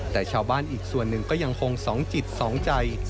แต่ชาวบ้านอีกส่วนหนึ่งก็ยังคงสองจิตสองใจ